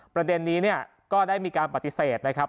ประเด็นนี้เนี่ยก็ได้มีการปฏิเสธนะครับ